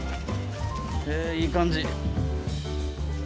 へえいい感じ。